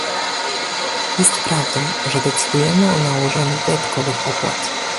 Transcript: Jest prawdą, że decydujemy o nałożeniu dodatkowych opłat